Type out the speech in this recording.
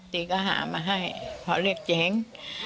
ดีก็หามาให้เพราะเรียกเจ๋ง